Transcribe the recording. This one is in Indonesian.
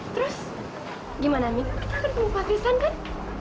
terus gimana mi kita kan pengupat risan kan